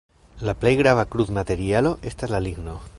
La plej grava krudmaterialo estas la ligno.